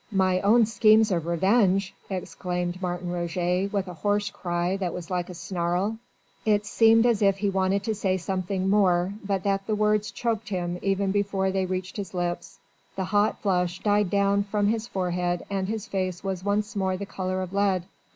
"My own schemes of revenge!" exclaimed Martin Roget with a hoarse cry that was like a snarl.... It seemed as if he wanted to say something more, but that the words choked him even before they reached his lips. The hot flush died down from his forehead and his face was once more the colour of lead.